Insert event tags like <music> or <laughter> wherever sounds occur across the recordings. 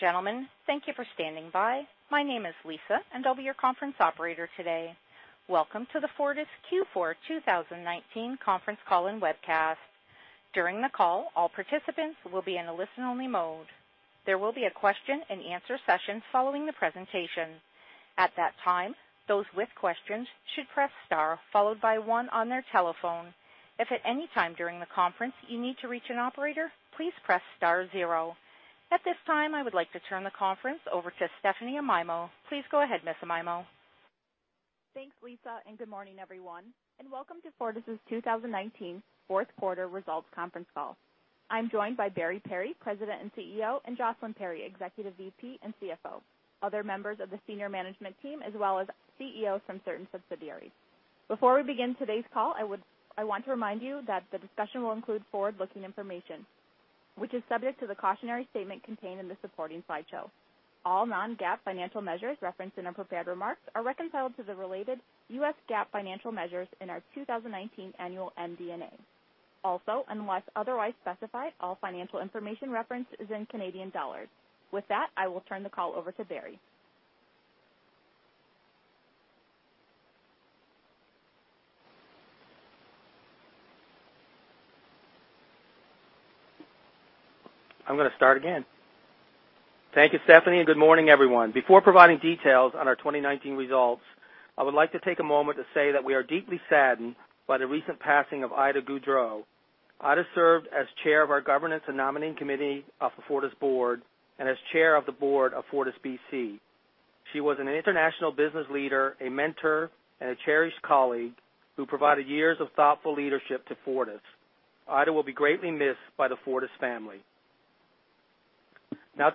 Gentlemen, thank you for standing by. My name is Lisa, and I'll be your conference operator today. Welcome to the Fortis Q4 2019 conference call and webcast. During the call, all participants will be in a listen-only mode. There will be a question and answer session following the presentation. At that time, those with questions should press star followed by one on their telephone. If at any time during the conference you need to reach an operator, please press star zero. At this time, I would like to turn the conference over to Stephanie Amaimo. Please go ahead, Ms. Amaimo. Thanks, Lisa, good morning, everyone, and welcome to Fortis' 2019 fourth quarter results conference call. I'm joined by Barry Perry, President and CEO, and Jocelyn Perry, Executive VP and CFO, other members of the senior management team, as well as CEOs from certain subsidiaries. Before we begin today's call, I want to remind you that the discussion will include forward-looking information, which is subject to the cautionary statement contained in the supporting slideshow. All non-GAAP financial measures referenced in our prepared remarks are reconciled to the related US GAAP financial measures in our 2019 annual MD&A. Unless otherwise specified, all financial information referenced is in Canadian dollars. With that, I will turn the call over to Barry. I'm going to start again. Thank you, Stephanie. Good morning, everyone. Before providing details on our 2019 results, I would like to take a moment to say that we are deeply saddened by the recent passing of Ida Goudreau. Ida served as chair of our governance and nominating committee of the Fortis board and as chair of the board of FortisBC. She was an international business leader, a mentor, and a cherished colleague who provided years of thoughtful leadership to Fortis. Ida will be greatly missed by the Fortis family.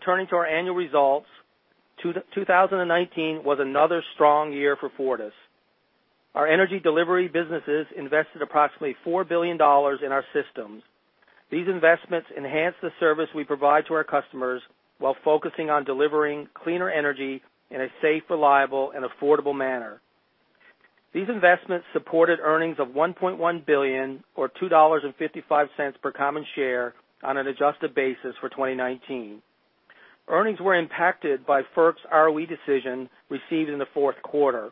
Turning to our annual results. 2019 was another strong year for Fortis. Our energy delivery businesses invested approximately 4 billion dollars in our systems. These investments enhance the service we provide to our customers while focusing on delivering cleaner energy in a safe, reliable, and affordable manner. These investments supported earnings of 1.1 billion or 2.55 dollars per common share on an adjusted basis for 2019. Earnings were impacted by FERC's ROE decision received in the fourth quarter.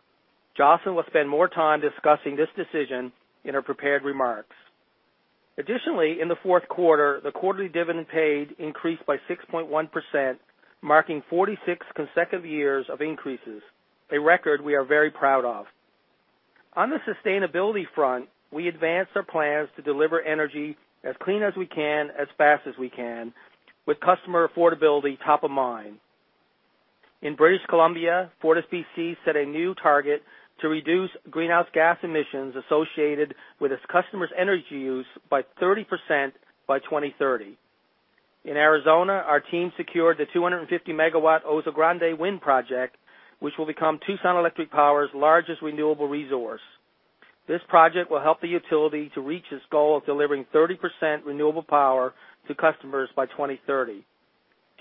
Jocelyn will spend more time discussing this decision in her prepared remarks. Additionally, in the fourth quarter, the quarterly dividend paid increased by 6.1%, marking 46 consecutive years of increases, a record we are very proud of. On the sustainability front, we advanced our plans to deliver energy as clean as we can, as fast as we can, with customer affordability top of mind. In British Columbia, FortisBC set a new target to reduce greenhouse gas emissions associated with its customers' energy use by 30% by 2030. In Arizona, our team secured the 250-MW Oso Grande Wind Project, which will become Tucson Electric Power's largest renewable resource. This project will help the utility to reach its goal of delivering 30% renewable power to customers by 2030.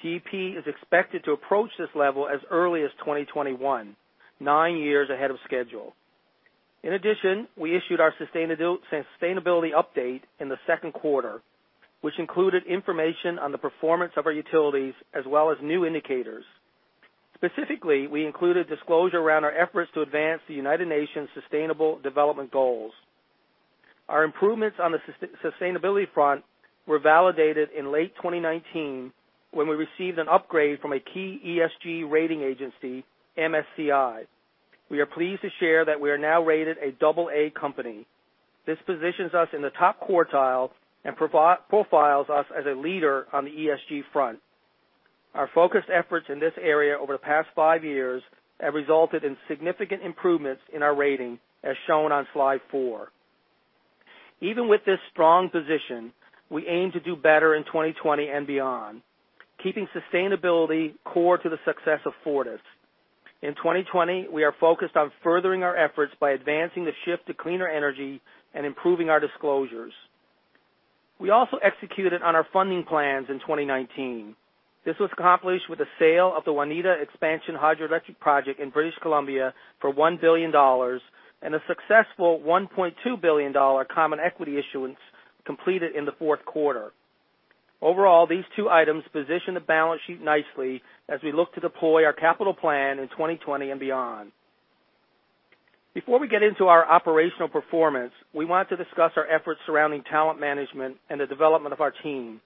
TEP is expected to approach this level as early as 2021, nine years ahead of schedule. In addition, we issued our sustainability update in the second quarter, which included information on the performance of our utilities, as well as new indicators. Specifically, we included disclosure around our efforts to advance the United Nations Sustainable Development Goals. Our improvements on the sustainability front were validated in late 2019 when we received an upgrade from a key ESG rating agency, MSCI. We are pleased to share that we are now rated an AA company. This positions us in the top quartile and profiles us as a leader on the ESG front. Our focused efforts in this area over the past five years have resulted in significant improvements in our rating, as shown on slide four. Even with this strong position, we aim to do better in 2020 and beyond, keeping sustainability core to the success of Fortis. In 2020, we are focused on furthering our efforts by advancing the shift to cleaner energy and improving our disclosures. We also executed on our funding plans in 2019. This was accomplished with the sale of the Waneta Expansion hydroelectric project in British Columbia for 1 billion dollars and a successful 1.2 billion dollar common equity issuance completed in the fourth quarter. Overall, these two items position the balance sheet nicely as we look to deploy our capital plan in 2020 and beyond. Before we get into our operational performance, we want to discuss our efforts surrounding talent management and the development of our team.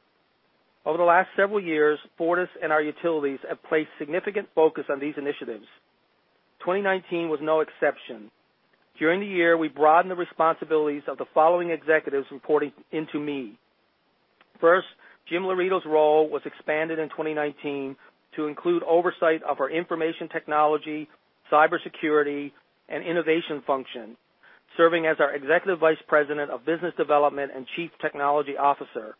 Over the last several years, Fortis and our utilities have placed significant focus on these initiatives. 2019 was no exception. During the year, we broadened the responsibilities of the following executives reporting into me. First, Jim Laurito's role was expanded in 2019 to include oversight of our information technology, cybersecurity, and innovation function, serving as our Executive Vice President of Business Development and Chief Technology Officer.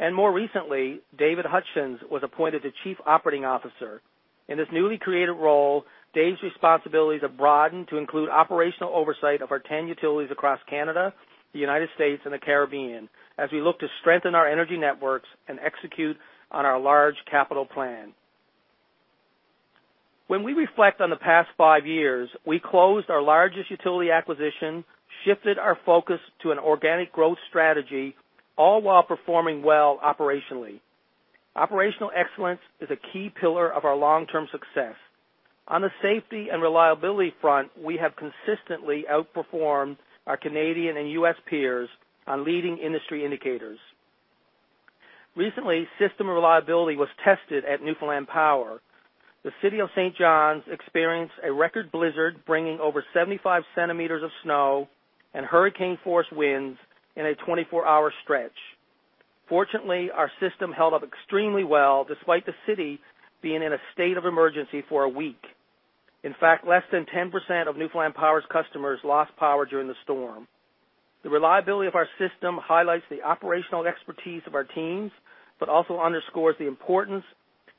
More recently, David Hutchens was appointed the Chief Operating Officer. In this newly created role, Dave's responsibilities have broadened to include operational oversight of our 10 utilities across Canada, the U.S., and the Caribbean as we look to strengthen our energy networks and execute on our large capital plan. When we reflect on the past five years, we closed our largest utility acquisition, shifted our focus to an organic growth strategy, all while performing well operationally. Operational excellence is a key pillar of our long-term success. On the safety and reliability front, we have consistently outperformed our Canadian and U.S. peers on leading industry indicators. Recently, system reliability was tested at Newfoundland Power. The city of St. John's experienced a record blizzard, bringing over 75 centimeters of snow and hurricane-force winds in a 24-hour stretch. Fortunately, our system held up extremely well, despite the city being in a state of emergency for a week. In fact, less than 10% of Newfoundland Power's customers lost power during the storm. The reliability of our system highlights the operational expertise of our teams, but also underscores the importance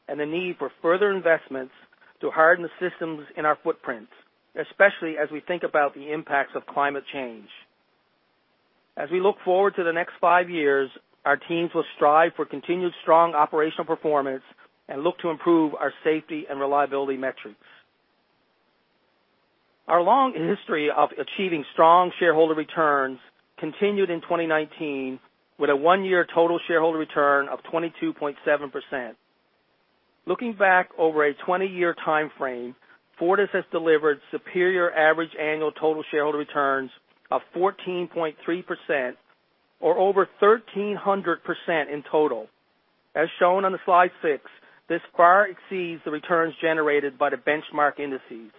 and the need for further investments to harden the systems in our footprints, especially as we think about the impacts of climate change. As we look forward to the next five years, our teams will strive for continued strong operational performance and look to improve our safety and reliability metrics. Our long history of achieving strong shareholder returns continued in 2019 with a one-year total shareholder return of 22.7%. Looking back over a 20-year timeframe, Fortis has delivered superior average annual total shareholder returns of 14.3%, or over 1,300% in total. As shown on the slide six, this far exceeds the returns generated by the benchmark indices.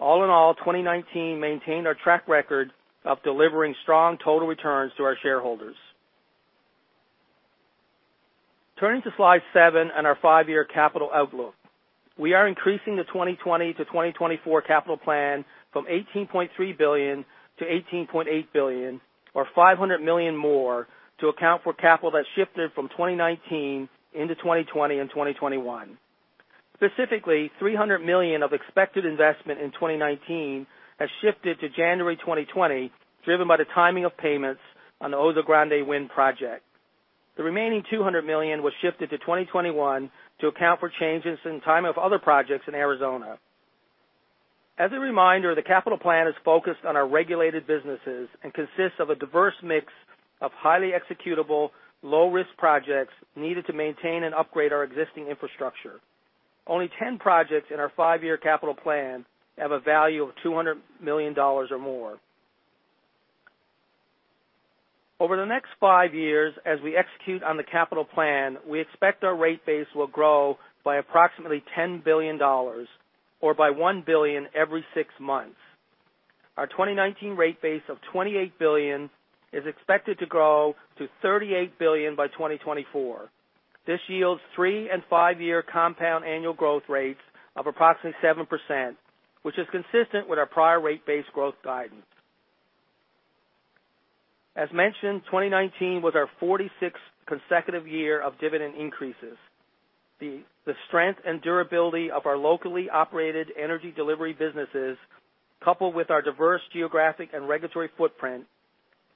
All in all, 2019 maintained our track record of delivering strong total returns to our shareholders. Turning to slide seven and our five-year capital outlook. We are increasing the 2020 to 2024 capital plan from 18.3 billion to 18.8 billion, or 500 million more to account for capital that shifted from 2019 into 2020 and 2021. Specifically, 300 million of expected investment in 2019 has shifted to January 2020, driven by the timing of payments on the Oso Grande Wind project. The remaining 200 million was shifted to 2021 to account for changes in time of other projects in Arizona. As a reminder, the capital plan is focused on our regulated businesses and consists of a diverse mix of highly executable, low-risk projects needed to maintain and upgrade our existing infrastructure. Only 10 projects in our five-year capital plan have a value of 200 million dollars or more. Over the next five years, as we execute on the capital plan, we expect our rate base will grow by approximately 10 billion dollars, or by one billion every six months. Our 2019 rate base of 28 billion is expected to grow to 38 billion by 2024. This yields three and five-year compound annual growth rates of approximately 7%, which is consistent with our prior rate base growth guidance. As mentioned, 2019 was our 46th consecutive year of dividend increases. The strength and durability of our locally operated energy delivery businesses, coupled with our diverse geographic and regulatory footprint,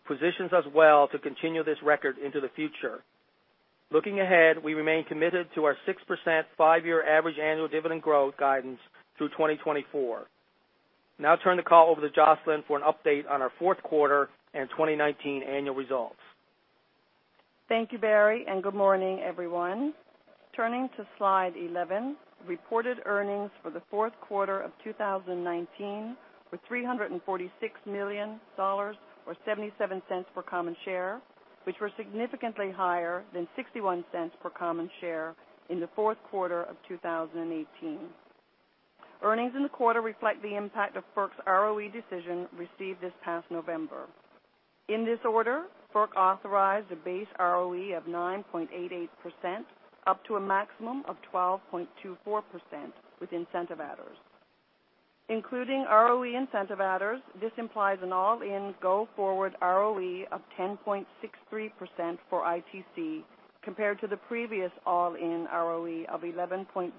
positions us well to continue this record into the future. Looking ahead, we remain committed to our 6% five-year average annual dividend growth guidance through 2024. Now I turn the call over to Jocelyn for an update on our fourth quarter and 2019 annual results. Thank you, Barry. Good morning, everyone. Turning to slide 11, reported earnings for the fourth quarter of 2019 were CAD 346 million, or 0.77 per common share, which were significantly higher than 0.61 per common share in the fourth quarter of 2018. Earnings in the quarter reflect the impact of FERC's ROE decision received this past November. In this order, FERC authorized a base ROE of 9.88%, up to a maximum of 12.24% with incentive adders. Including ROE incentive adders, this implies an all-in go-forward ROE of 10.63% for ITC compared to the previous all-in ROE of 11.07%.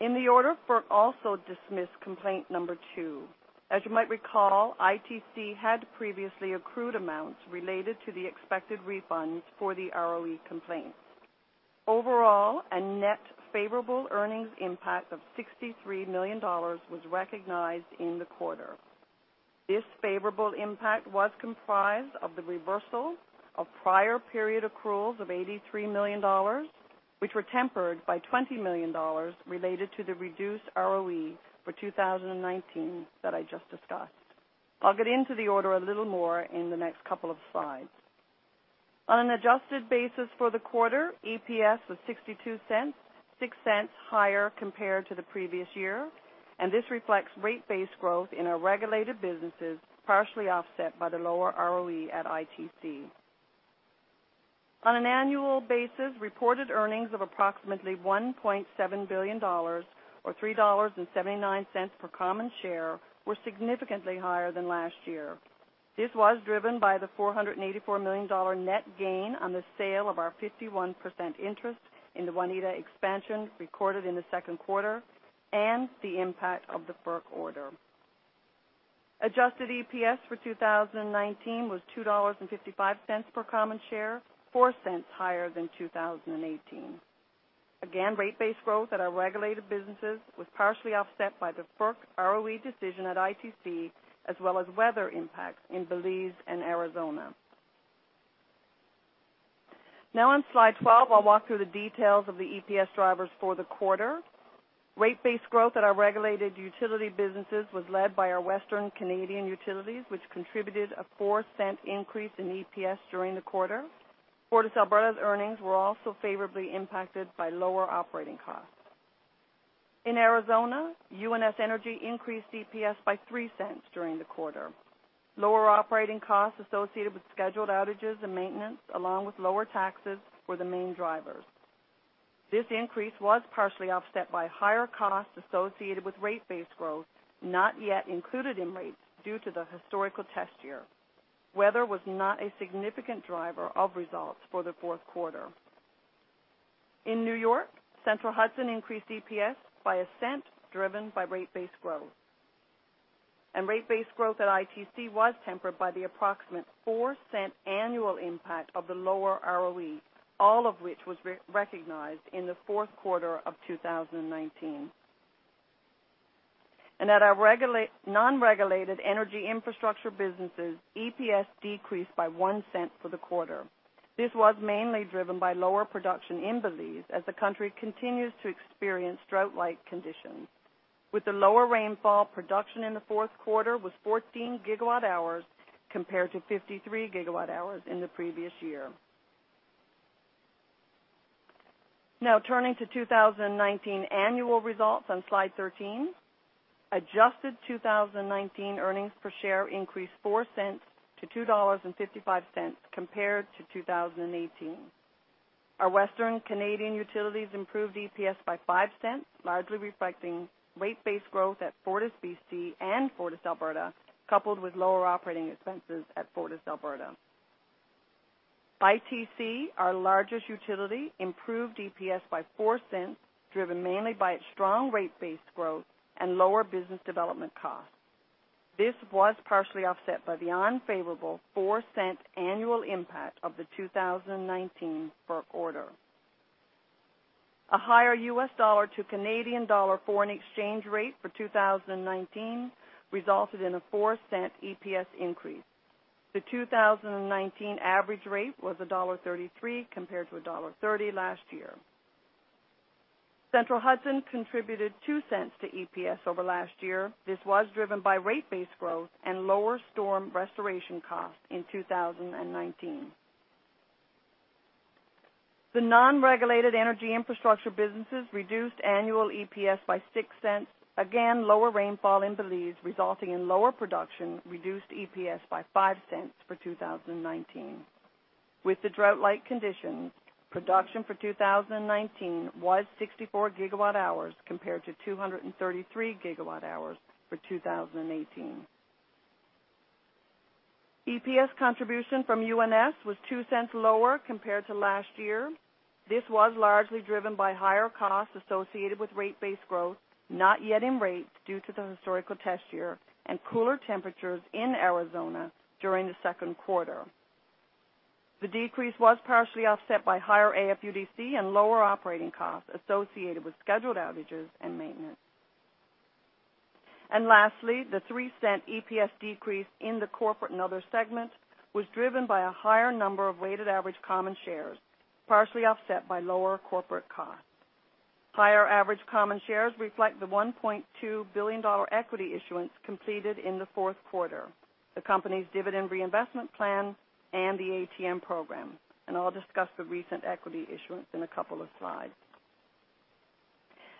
In the order, FERC also dismissed complaint number two. As you might recall, ITC had previously accrued amounts related to the expected refunds for the ROE complaint. Overall, a net favorable earnings impact of 63 million dollars was recognized in the quarter. This favorable impact was comprised of the reversal of prior period accruals of 83 million dollars, which were tempered by 20 million dollars related to the reduced ROE for 2019 that I just discussed. I'll get into the order a little more in the next couple of slides. On an adjusted basis for the quarter, EPS was 0.62, 0.06 higher compared to the previous year. This reflects rate base growth in our regulated businesses, partially offset by the lower ROE at ITC. On an annual basis, reported earnings of approximately 1.7 billion dollars, or 3.79 dollars per common share, were significantly higher than last year. This was driven by the 484 million dollar net gain on the sale of our 51% interest in the Waneta Expansion recorded in the second quarter. The impact of the FERC order. Adjusted EPS for 2019 was 2.55 dollars per common share, 0.04 higher than 2018. Again, rate-based growth at our regulated businesses was partially offset by the FERC ROE decision at ITC as well as weather impacts in Belize and Arizona. On slide 12, I'll walk through the details of the EPS drivers for the quarter. Rate-based growth at our regulated utility businesses was led by our Western Canadian utilities, which contributed a 0.04 increase in EPS during the quarter. FortisAlberta's earnings were also favorably impacted by lower operating costs. In Arizona, UNS Energy increased EPS by 0.03 during the quarter. Lower operating costs associated with scheduled outages and maintenance, along with lower taxes, were the main drivers. This increase was partially offset by higher costs associated with rate-based growth, not yet included in rates due to the historical test year. Weather was not a significant driver of results for the fourth quarter. In New York, Central Hudson increased EPS by CAD 0.01, driven by rate-based growth. Rate-based growth at ITC was tempered by the approximate 0.04 annual impact of the lower ROE, all of which was recognized in the fourth quarter of 2019. At our non-regulated energy infrastructure businesses, EPS decreased by 0.01 for the quarter. This was mainly driven by lower production in Belize, as the country continues to experience drought-like conditions. With the lower rainfall, production in the fourth quarter was 14 GW hours, compared to 53 GW hours in the previous year. Now, turning to 2019 annual results on slide 13. Adjusted 2019 earnings per share increased 0.04 to 2.55 dollars, compared to 2018. Our Western Canadian utilities improved EPS by 0.05, largely reflecting rate-based growth at FortisBC and FortisAlberta, coupled with lower operating expenses at FortisAlberta. ITC, our largest utility, improved EPS by 0.04, driven mainly by its strong rate-based growth and lower business development costs. This was partially offset by the unfavorable CAD 0.04 annual impact of the 2019 FERC order. A higher U.S. dollar to Canadian dollar foreign exchange rate for 2019 resulted in a 0.04 EPS increase. The 2019 average rate was dollar 1.33 compared to dollar 1.30 last year. Central Hudson contributed 0.02 to EPS over last year. This was driven by rate-based growth and lower storm restoration costs in 2019. The non-regulated energy infrastructure businesses reduced annual EPS by 0.06. Again, lower rainfall in Belize resulting in lower production reduced EPS by 0.05 for 2019. With the drought-like conditions, production for 2019 was 64 GW hours compared to 233 GW hours for 2018. EPS contribution from UNS was 0.02 lower compared to last year. This was largely driven by higher costs associated with rate-based growth, not yet in rates due to the historical test year, and cooler temperatures in Arizona during the second quarter. The decrease was partially offset by higher AFUDC and lower operating costs associated with scheduled outages and maintenance. Lastly, the 0.03 EPS decrease in the corporate and other segment was driven by a higher number of weighted average common shares, partially offset by lower corporate costs. Higher average common shares reflect the 1.2 billion dollar equity issuance completed in the fourth quarter, the company's dividend reinvestment plan, and the ATM program. I'll discuss the recent equity issuance in a couple of slides.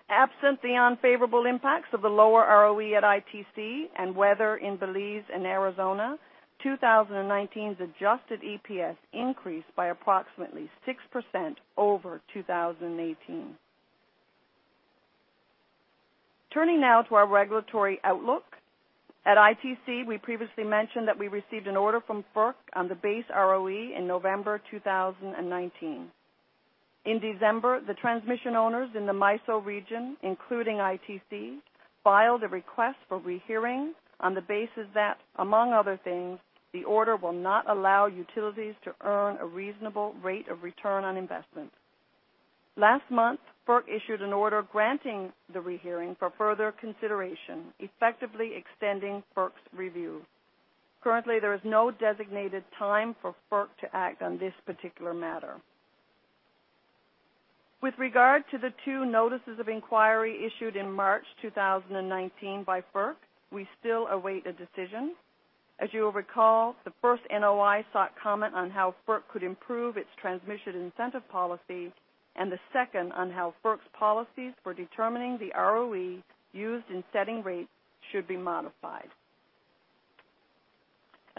Absent the unfavorable impacts of the lower ROE at ITC and weather in Belize and Arizona, 2019's adjusted EPS increased by approximately 6% over 2018. Turning now to our regulatory outlook. At ITC, we previously mentioned that we received an order from FERC on the base ROE in November 2019. In December, the transmission owners in the MISO region, including ITC, filed a request for rehearing on the basis that, among other things, the order will not allow utilities to earn a reasonable rate of return on investments. Last month, FERC issued an order granting the rehearing for further consideration, effectively extending FERC's review. Currently, there is no designated time for FERC to act on this particular matter. With regard to the two notices of inquiry issued in March 2019 by FERC, we still await a decision. As you will recall, the first NOI sought comment on how FERC could improve its transmission incentive policy, and the second on how FERC's policies for determining the ROE used in setting rates should be modified.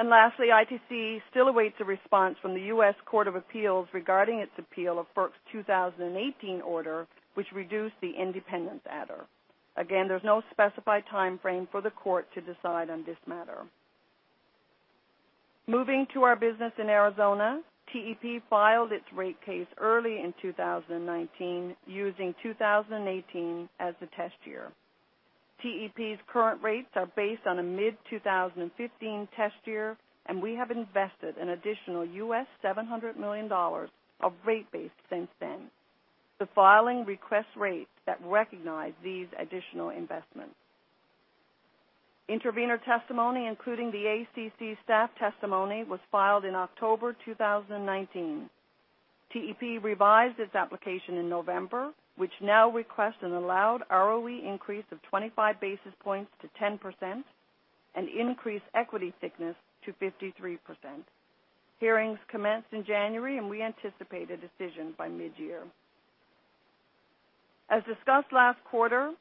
Lastly, ITC still awaits a response from the U.S. Court of Appeals regarding its appeal of FERC's 2018 order, which reduced the independence adder. Again, there's no specified timeframe for the court to decide on this matter. Moving to our business in Arizona, TEP filed its rate case early in 2019 using 2018 as the test year. TEP's current rates are based on a mid-2015 test year, and we have invested an additional $700 million of rate base since then. The filing requests rates that recognize these additional investments. Intervenor testimony, including the ACC staff testimony, was filed in October 2019. TEP revised its application in November, which now requests an allowed ROE increase of 25 basis points to 10% and increased equity thickness to 53%. Hearings commenced in January, and we anticipate a decision by mid-year. As discussed last quarter,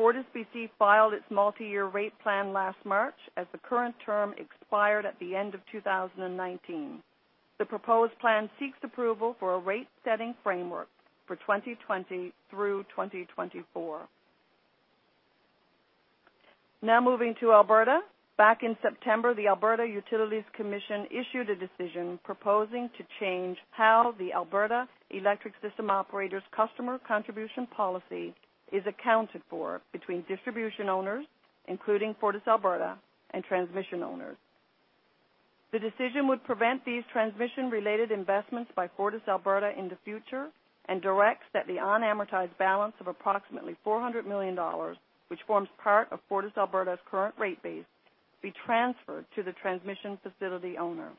FortisBC filed its multi-year rate plan last March as the current term expired at the end of 2019. The proposed plan seeks approval for a rate-setting framework for 2020 through 2024. Now moving to Alberta. Back in September, the Alberta Utilities Commission issued a decision proposing to change how the Alberta Electric System Operator customer contribution policy is accounted for between distribution owners, including FortisAlberta, and transmission owners. The decision would prevent these transmission-related investments by FortisAlberta in the future and directs that the unamortized balance of approximately 400 million dollars, which forms part of FortisAlberta's current rate base, be transferred to the transmission facility owner.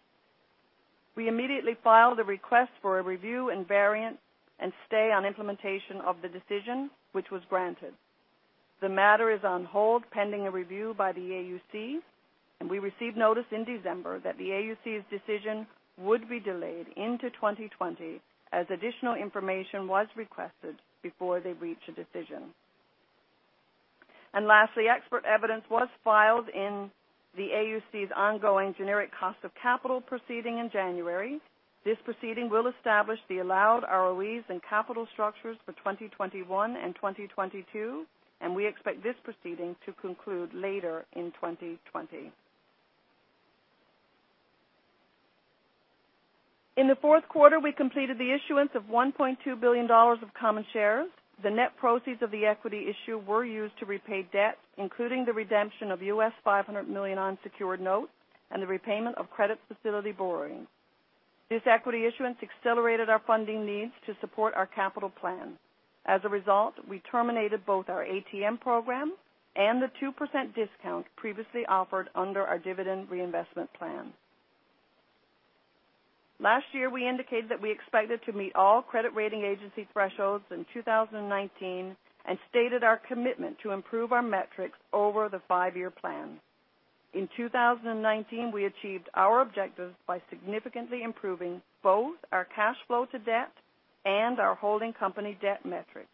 We immediately filed a request for a review and variance and stay on implementation of the decision, which was granted. The matter is on hold pending a review by the AUC. We received notice in December that the AUC's decision would be delayed into 2020 as additional information was requested before they reach a decision. Lastly, expert evidence was filed in the AUC's ongoing generic cost of capital proceeding in January. This proceeding will establish the allowed ROEs and capital structures for 2021 and 2022. We expect this proceeding to conclude later in 2020. In the fourth quarter, we completed the issuance of 1.2 billion dollars of common shares. The net proceeds of the equity issue were used to repay debt, including the redemption of $500 million unsecured notes and the repayment of credit facility borrowing. This equity issuance accelerated our funding needs to support our capital plan. As a result, we terminated both our ATM program and the 2% discount previously offered under our dividend reinvestment plan. Last year, we indicated that we expected to meet all credit rating agency thresholds in 2019 and stated our commitment to improve our metrics over the five-year plan. In 2019, we achieved our objectives by significantly improving both our cash flow to debt and our holding company debt metrics.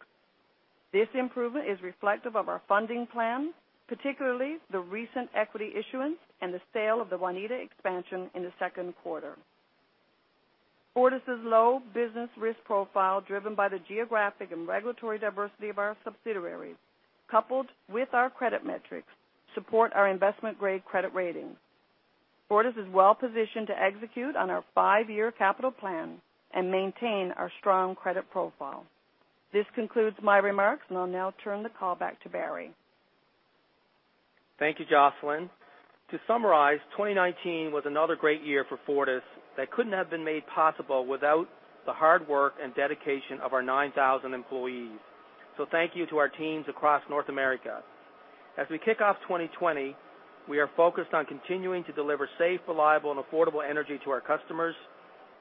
This improvement is reflective of our funding plan, particularly the recent equity issuance and the sale of the Waneta Expansion in the second quarter. Fortis' low business risk profile, driven by the geographic and regulatory diversity of our subsidiaries, coupled with our credit metrics, support our investment-grade credit rating. Fortis is well-positioned to execute on our five-year capital plan and maintain our strong credit profile. This concludes my remarks, and I'll now turn the call back to Barry. Thank you, Jocelyn. To summarize, 2019 was another great year for Fortis that couldn't have been made possible without the hard work and dedication of our 9,000 employees. Thank you to our teams across North America. As we kick off 2020, we are focused on continuing to deliver safe, reliable, and affordable energy to our customers.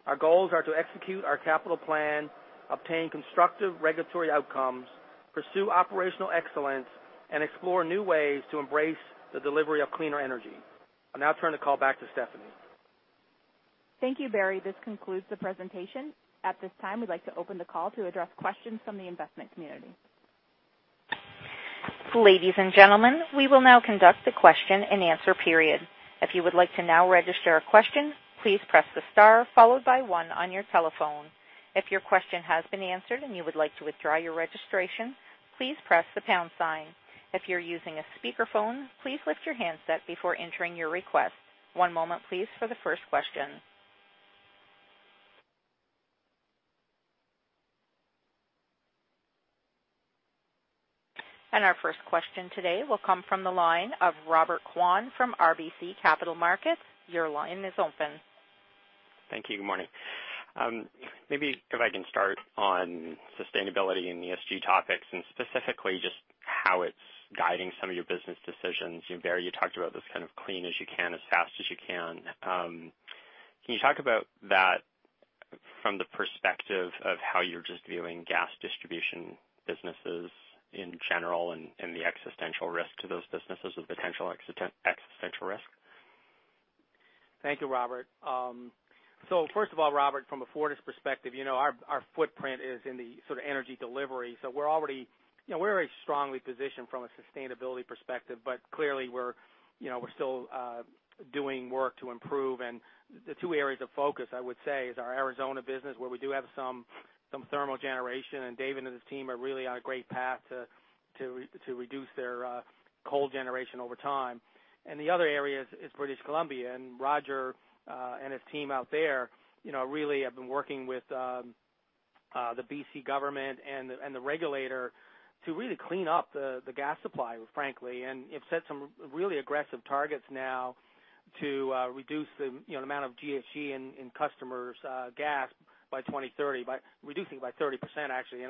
Our goals are to execute our capital plan, obtain constructive regulatory outcomes, pursue operational excellence, and explore new ways to embrace the delivery of cleaner energy. I'll now turn the call back to Stephanie. Thank you, Barry. This concludes the presentation. At this time, we'd like to open the call to address questions from the investment community. Ladies and gentlemen, we will now conduct the question-and-answer period. If you would like to now register a question, please press the star followed by one on your telephone. If your question has been answered and you would like to withdraw your registration, please press the pound sign. If you're using a speakerphone, please lift your handset before entering your request. One moment, please, for the first question. Our first question today will come from the line of Robert Kwan from RBC Capital Markets. Your line is open. Thank you. Good morning. Maybe if I can start on sustainability and ESG topics, and specifically just how it's guiding some of your business decisions. Barry, you talked about this kind of clean as you can, as fast as you can. Can you talk about that from the perspective of how you're just viewing gas distribution businesses in general and the existential risk to those businesses with potential existential risk? Thank you, Robert. First of all, Robert, from a Fortis perspective, our footprint is in the sort of energy delivery. We're already strongly positioned from a sustainability perspective, but clearly, we're still doing work to improve. The two areas of focus, I would say, is our Arizona business, where we do have some thermal generation, and David and his team are really on a great path to reduce their coal generation over time. The other area is British Columbia, and Roger and his team out there really have been working with the BC government and the regulator to really clean up the gas supply, frankly, and have set some really aggressive targets now to reduce the amount of GHG in customers' gas by 2030, reducing it by 30%, actually.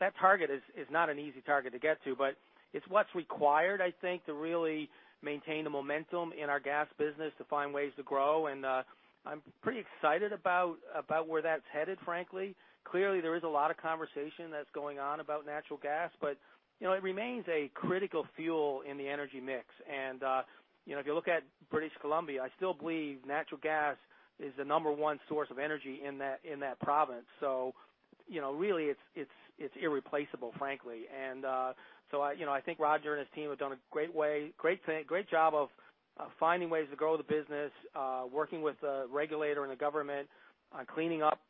That target is not an easy target to get to, but it's what's required, I think, to really maintain the momentum in our gas business to find ways to grow. I'm pretty excited about where that's headed, frankly. Clearly, there is a lot of conversation that's going on about natural gas, but it remains a critical fuel in the energy mix. If you look at British Columbia, I still believe natural gas is the number one source of energy in that province. Really, it's irreplaceable, frankly. I think Roger and his team have done a great job of finding ways to grow the business, working with the regulator and the government on cleaning up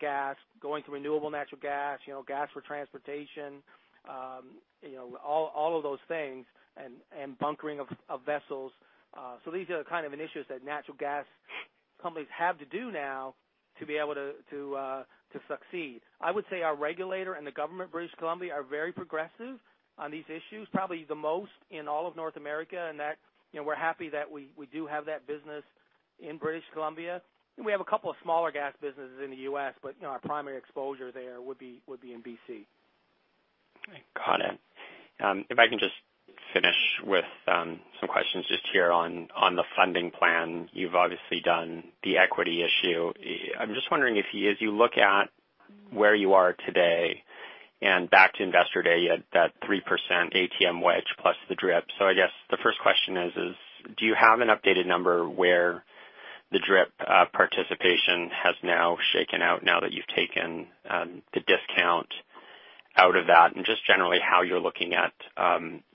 gas, going to renewable natural gas for transportation, all of those things, and bunkering of vessels. These are the kind of initiatives that natural gas companies have to do now to be able to succeed. I would say our regulator and the government of British Columbia are very progressive on these issues, probably the most in all of North America, and we're happy that we do have that business in British Columbia. We have a couple of smaller gas businesses in the U.S., but our primary exposure there would be in B.C. Got it. If I can just finish with some questions just here on the funding plan. You've obviously done the equity issue. I'm just wondering if, as you look at where you are today and back to Investor Day, you had that 3% ATM wedge plus the DRIP. I guess the first question is, do you have an updated number where the DRIP participation has now shaken out now that you've taken the discount out of that? Just generally, how you're looking at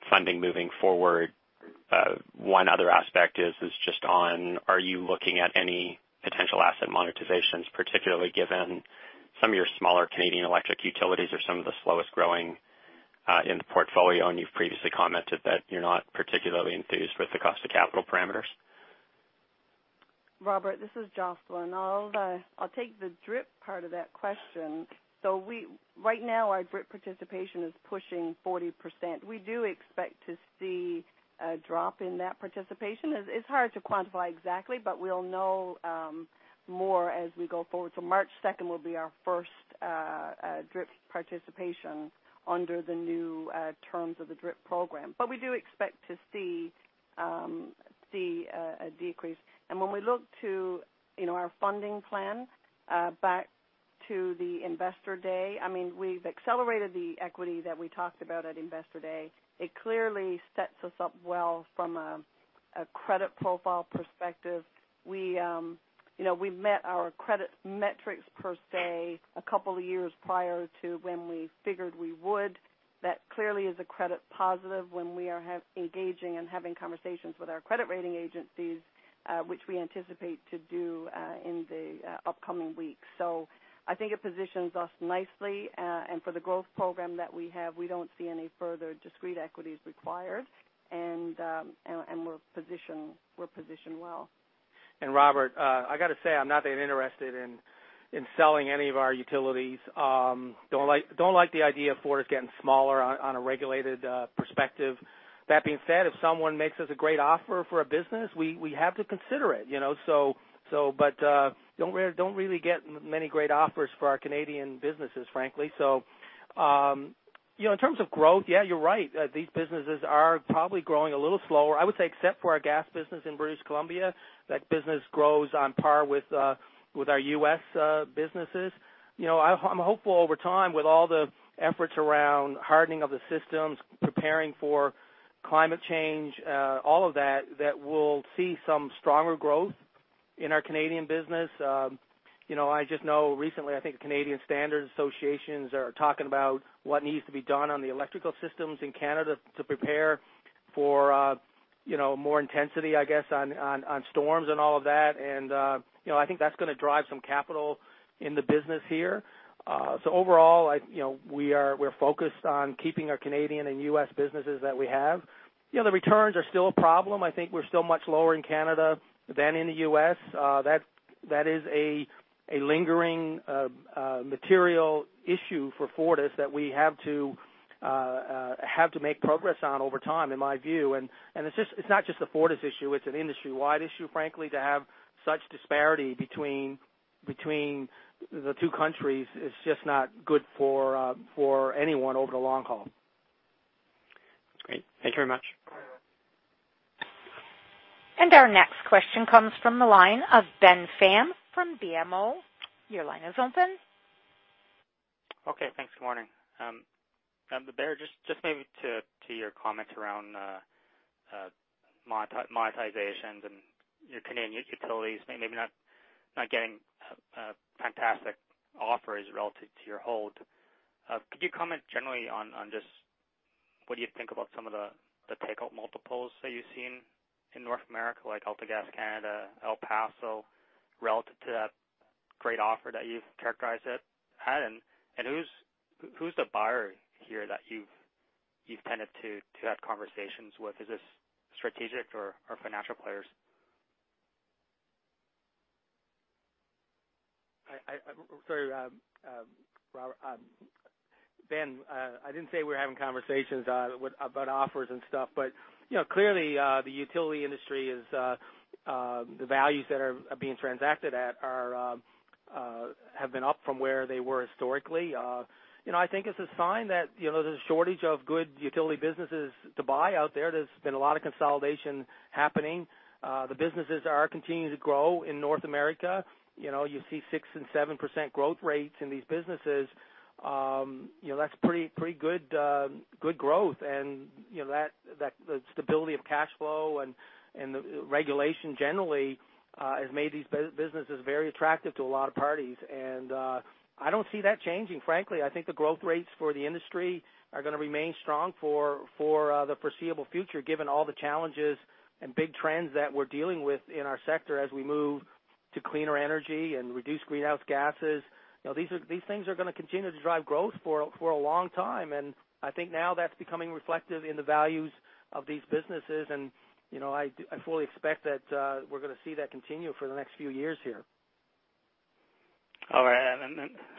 funding moving forward. One other aspect is just on, are you looking at any potential asset monetizations, particularly given some of your smaller Canadian electric utilities are some of the slowest growing in the portfolio, and you've previously commented that you're not particularly enthused with the cost of capital parameters? Robert, this is Jocelyn. I'll take the DRIP part of that question. Right now, our DRIP participation is pushing 40%. We do expect to see a drop in that participation. It's hard to quantify exactly, but we'll know more as we go forward. March 2nd will be our first DRIP participation under the new terms of the DRIP program. We do expect to see a decrease. When we look to our funding plan, back to the Investor Day, we've accelerated the equity that we talked about at Investor Day. It clearly sets us up well from a credit profile perspective. We met our credit metrics, per se, a couple of years prior to when we figured we would. That clearly is a credit positive when we are engaging and having conversations with our credit rating agencies, which we anticipate to do in the upcoming weeks. I think it positions us nicely, and for the growth program that we have, we don't see any further discrete equities required, and we're positioned well. Robert, I got to say, I'm not that interested in selling any of our utilities. Don't like the idea of Fortis getting smaller on a regulated perspective. That being said, if someone makes us a great offer for a business, we have to consider it. Don't really get many great offers for our Canadian businesses, frankly. In terms of growth, yeah, you're right. These businesses are probably growing a little slower, I would say, except for our gas business in British Columbia. That business grows on par with our U.S. businesses. I'm hopeful over time with all the efforts around hardening of the systems, preparing for climate change, all of that we'll see some stronger growth in our Canadian business. I just know recently, I think Canadian Standards Associations are talking about what needs to be done on the electrical systems in Canada to prepare for more intensity, I guess, on storms and all of that. I think that's going to drive some capital in the business here. Overall, we're focused on keeping our Canadian and U.S. businesses that we have. The returns are still a problem. I think we're still much lower in Canada than in the U.S. That is a lingering material issue for Fortis that we have to make progress on over time, in my view. It's not just a Fortis issue, it's an industry-wide issue, frankly, to have such disparity between the two countries. It's just not good for anyone over the long haul. Great. Thank you very much. Our next question comes from the line of Ben Pham from BMO. Your line is open. Okay. Thanks. Good morning. Barry, just maybe to your comments around monetizations and your Canadian utilities maybe not getting fantastic offers relative to your hold. Could you comment generally on just what you think about some of the takeout multiples that you've seen in North America, like AltaGas Canada, El Paso, relative to that great offer that you've characterized it at? Who's the buyer here that you've tended to have conversations with? Is this strategic or financial players? Sorry, Robert. Ben, I didn't say we were having conversations about offers and stuff. Clearly, the utility industry, the values that are being transacted at have been up from where they were historically. I think it's a sign that there's a shortage of good utility businesses to buy out there. There's been a lot of consolidation happening. The businesses are continuing to grow in North America. You see 6% and 7% growth rates in these businesses. That's pretty good growth. The stability of cash flow and the regulation generally has made these businesses very attractive to a lot of parties, and I don't see that changing, frankly. I think the growth rates for the industry are going to remain strong for the foreseeable future, given all the challenges and big trends that we're dealing with in our sector as we move to cleaner energy and reduce greenhouse gases. These things are going to continue to drive growth for a long time, and I think now that's becoming reflected in the values of these businesses, and I fully expect that we're going to see that continue for the next few years here. All right.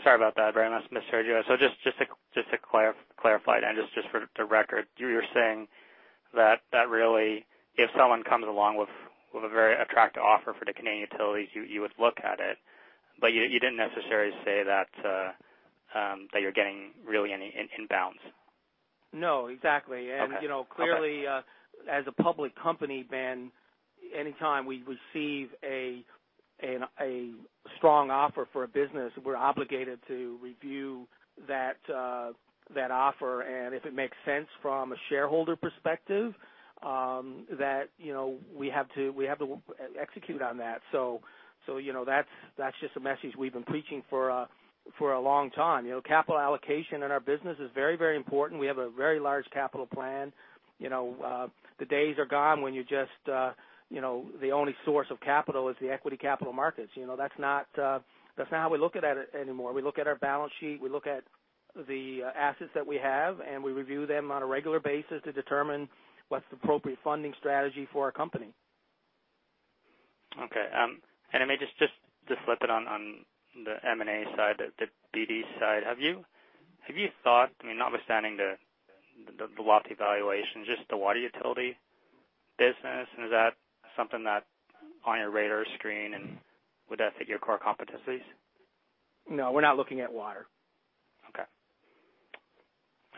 Sorry about that, very nice, misheard you. Just to clarify, just for the record, you were saying that really, if someone comes along with a very attractive offer for the Canadian utilities, you would look at it, but you didn't necessarily say that you're getting really any inbounds. No, exactly. Okay. Clearly, as a public company, Ben, any time we receive a strong offer for a business, we're obligated to review that offer, and if it makes sense from a shareholder perspective, that we have to execute on that. That's just a message we've been preaching for a long time. Capital allocation in our business is very important. We have a very large capital plan. The days are gone when the only source of capital is the equity capital markets. That's not how we look at it anymore. We look at our balance sheet, we look at the assets that we have, and we review them on a regular basis to determine what's the appropriate funding strategy for our company. Okay. I may just flip it on the M&A side, the BD side. Have you thought, notwithstanding the lofty valuation, just the water utility business, and is that something that on your radar screen and would that fit your core competencies? No, we're not looking at water. Okay.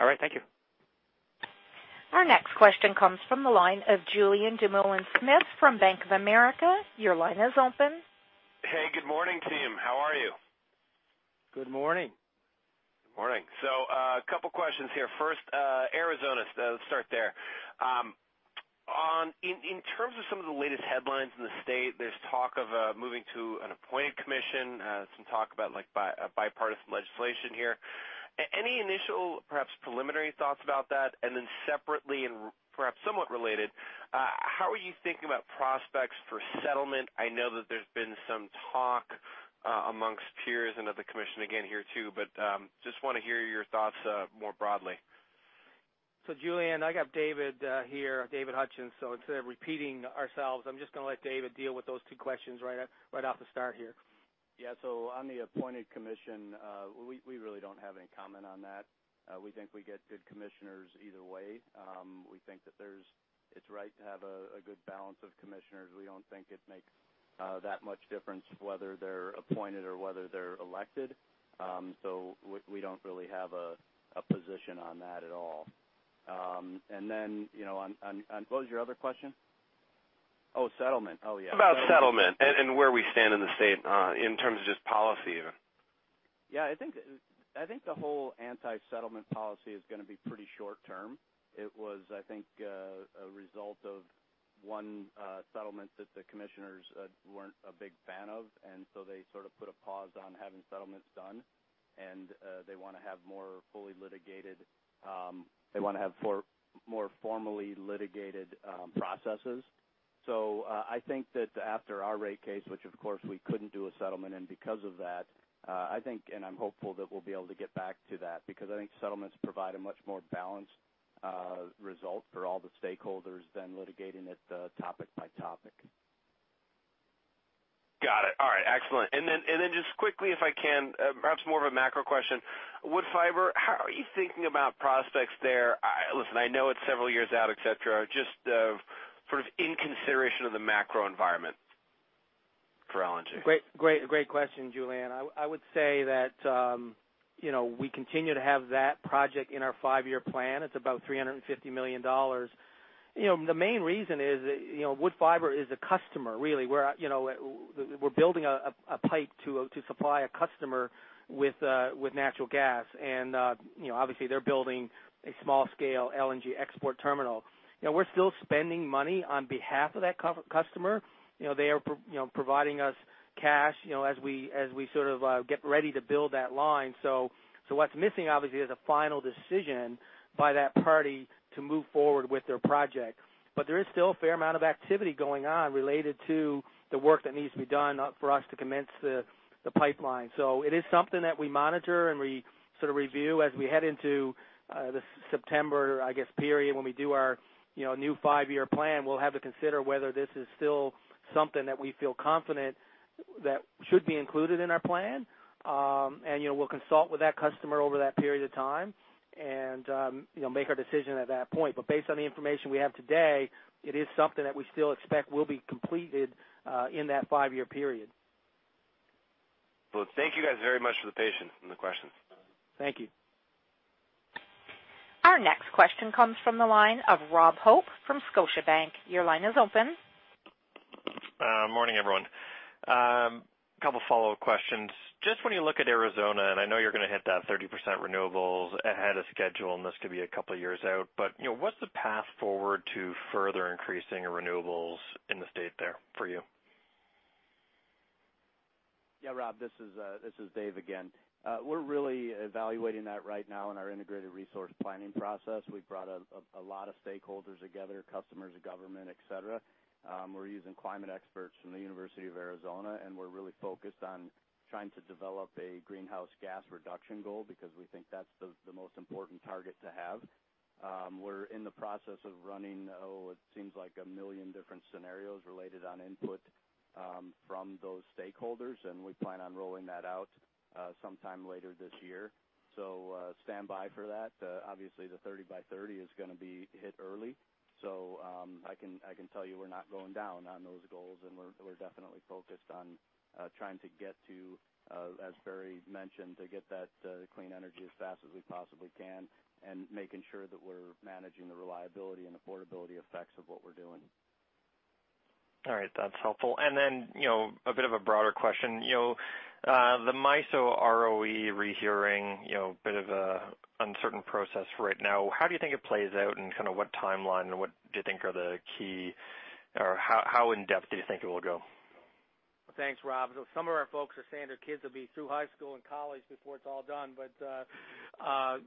All right, thank you. Our next question comes from the line of Julien Dumoulin-Smith from Bank of America. Your line is open. Hey, good morning, team. How are you? Good morning. Good morning. A couple of questions here. First, Arizona. Let's start there. In terms of some of the latest headlines in the state, there's talk of moving to an appointed commission, some talk about bipartisan legislation here. Any initial, perhaps preliminary thoughts about that? Separately, and perhaps somewhat related, how are you thinking about prospects for settlement? I know that there's been some talk amongst peers and of the commission again here too, just want to hear your thoughts more broadly. Julien, I got David here, David Hutchens. Instead of repeating ourselves, I'm just going to let David deal with those two questions right off the start here. Yeah. On the appointed commission, we really don't have any comment on that. We think we get good commissioners either way. We think that it's right to have a good balance of commissioners. We don't think it makes that much difference whether they're appointed or whether they're elected. We don't really have a position on that at all. What was your other question? Oh, settlement. Oh, yeah. About settlement and where we stand in the state in terms of just policy even. Yeah, I think the whole anti-settlement policy is going to be pretty short-term. It was, I think, a result of one settlement that the commissioners weren't a big fan of, and so they sort of put a pause on having settlements done, and they want to have more formally litigated processes. I think that after our rate case, which of course we couldn't do a settlement in because of that, I think, and I'm hopeful that we'll be able to get back to that, because I think settlements provide a much more balanced result for all the stakeholders than litigating it topic by topic. Got it. All right, excellent. Just quickly, if I can, perhaps more of a macro question. Woodfibre LNG, how are you thinking about prospects there? Listen, I know it's several years out, et cetera, just sort of in consideration of the macro environment for LNG. Great question, Julien. I would say that we continue to have that project in our five-year plan. It's about 350 million dollars. The main reason is Woodfibre LNG is a customer, really. We're building a pipe to supply a customer with natural gas, and obviously, they're building a small-scale LNG export terminal. We're still spending money on behalf of that customer. They are providing us cash as we sort of get ready to build that line. What's missing, obviously, is a final decision by that party to move forward with their project. There is still a fair amount of activity going on related to the work that needs to be done for us to commence the pipeline. It is something that we monitor and we sort of review as we head into the September, I guess, period, when we do our new five-year plan. We'll have to consider whether this is still something that we feel confident that should be included in our plan. We'll consult with that customer over that period of time and make our decision at that point. Based on the information we have today, it is something that we still expect will be completed in that five-year period. Well, thank you guys very much for the patience on the questions. Thank you. Our next question comes from the line of Rob Hope from Scotiabank. Your line is open. Morning, everyone. Couple follow-up questions. Just when you look at Arizona, and I know you're going to hit that 30% renewables ahead of schedule, and this could be a couple of years out, but what's the path forward to further increasing renewables in the state there for you? Yeah, Rob, this is Dave again. We're really evaluating that right now in our integrated resource planning process. We've brought a lot of stakeholders together, customers, the government, et cetera. We're using climate experts from the University of Arizona, we're really focused on trying to develop a greenhouse gas reduction goal because we think that's the most important target to have. We're in the process of running, it seems like a million different scenarios related on input from those stakeholders, we plan on rolling that out sometime later this year. Stand by for that. Obviously, the 30 by 30 is going to be hit early. I can tell you we're not going down on those goals, and we're definitely focused on trying to get to, as Barry mentioned, to get that clean energy as fast as we possibly can and making sure that we're managing the reliability and affordability effects of what we're doing. All right. That's helpful. A bit of a broader question. The MISO ROE rehearing, bit of a uncertain process right now. How do you think it plays out and what timeline, what do you think are the key or how in-depth do you think it will go? Thanks, Rob. Some of our folks are saying their kids will be through high school and college before it's all done.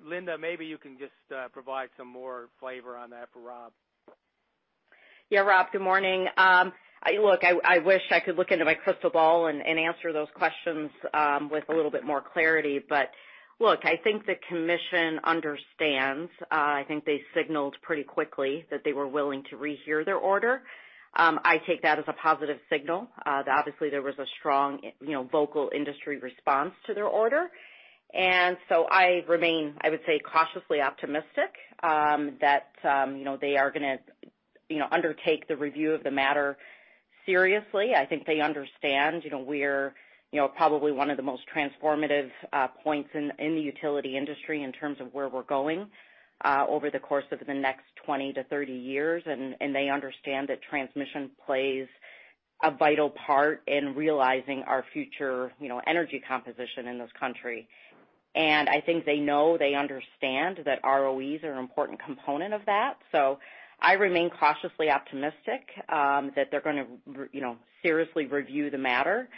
Linda, maybe you can just provide some more flavor on that for Rob. Yeah, Rob, good morning. I wish I could look into my crystal ball and answer those questions with a little bit more clarity. I think the commission understands. I think they signaled pretty quickly that they were willing to rehear their order. I take that as a positive signal. Obviously, there was a strong vocal industry response to their order. I remain, I would say, cautiously optimistic that they are going to undertake the review of the matter seriously. I think they understand we're probably one of the most transformative points in the utility industry in terms of where we're going over the course of the next 20-30 years. They understand that transmission plays a vital part in realizing our future energy composition in this country. I think they know, they understand that ROEs are an important component of that. I remain cautiously optimistic that they're going to seriously review the matter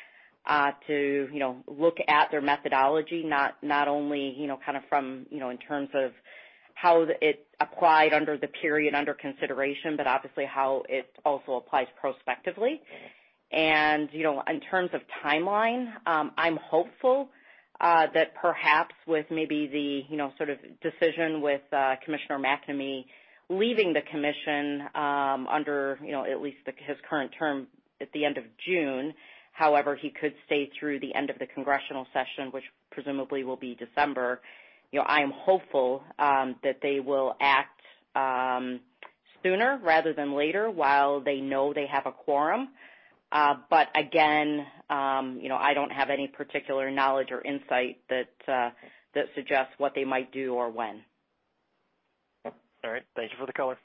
to look at their methodology, not only in terms of how it applied under the period under consideration, but obviously how it also applies prospectively. In terms of timeline, I'm hopeful that perhaps with maybe the sort of decision with Commissioner McNamee leaving the commission under at least his current term at the end of June. However, he could stay through the end of the congressional session, which presumably will be December. I am hopeful that they will act sooner rather than later while they know they have a quorum. Again, I don't have any particular knowledge or insight that suggests what they might do or when. All right. Thank you for the color.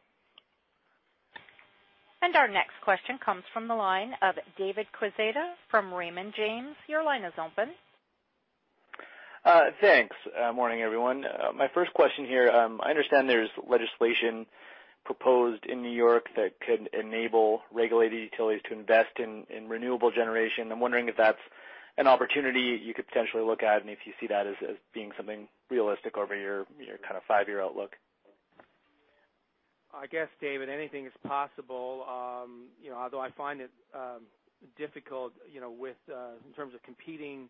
Our next question comes from the line of David Quezada from Raymond James. Your line is open. Thanks. Morning, everyone. My first question here, I understand there's legislation proposed in New York that could enable regulated utilities to invest in renewable generation. I'm wondering if that's an opportunity you could potentially look at and if you see that as being something realistic over your five-year outlook. I guess, David, anything is possible although I find it difficult in terms of competing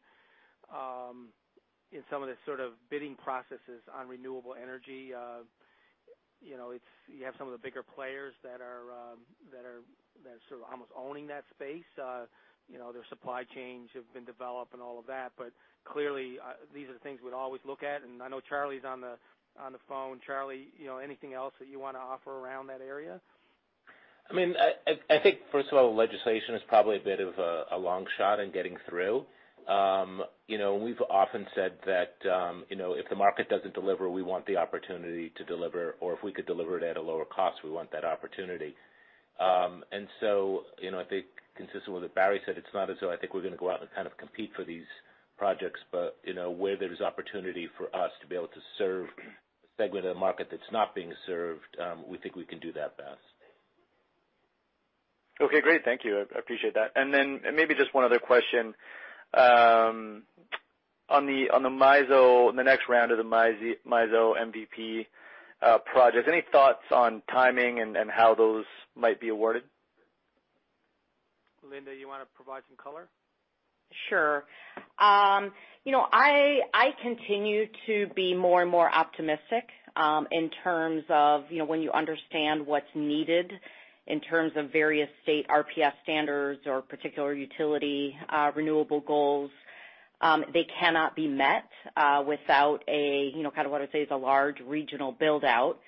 in some of the sort of bidding processes on renewable energy. You have some of the bigger players that are sort of almost owning that space. Their supply chains have been developed and all of that. Clearly, these are things we'd always look at, and I know Charlie's on the phone. Charlie anything else that you want to offer around that area? I think, first of all, legislation is probably a bit of a long shot in getting through. We've often said that if the market doesn't deliver, we want the opportunity to deliver, or if we could deliver it at a lower cost, we want that opportunity. I think consistent with what Barry said, it's not as though I think we're going to go out and kind of compete for these projects, but where there's opportunity for us to be able to serve a segment of the market that's not being served, we think we can do that best. Okay, great. Thank you. I appreciate that. Then maybe just one other question. On the next round of the MISO MVP projects, any thoughts on timing and how those might be awarded? Linda, you want to provide some color? Sure. I continue to be more and more optimistic in terms of when you understand what's needed in terms of various state RPS standards or particular utility renewable goals. They cannot be met without what I'd say is a large regional build-out.